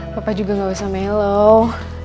papa juga gak usah melo